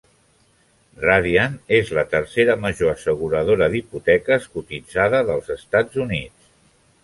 Radian és la tercera major asseguradora d'hipoteques cotitzada dels Estats Units.